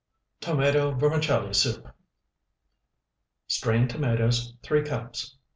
TOMATO VERMICELLI SOUP Strained tomatoes, 3 cups.